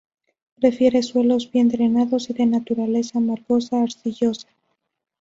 Prefiere suelos bien drenados y de naturaleza margosa-arcillosa.